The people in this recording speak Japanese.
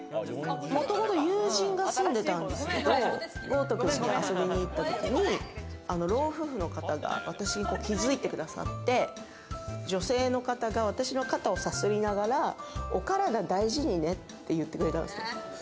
もともと友人が住んでたんですけれども、豪徳寺に遊びに行ったときに、老夫婦の方が私に気づいてくださって、女性の方が私の肩をさすりながらお体大事にねって言ってくれたんですよ。